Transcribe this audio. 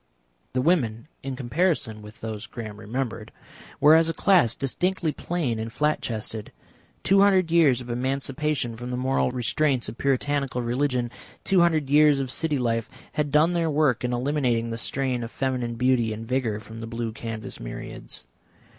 The women, in comparison with those Graham remembered, were as a class distinctly plain and flat chested. Two hundred years of emancipation from the moral restraints of Puritanical religion, two hundred years of city life, had done their work in eliminating the strain of feminine beauty and vigour from the blue canvas myriads.